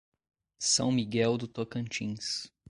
São Miguel do Tocantins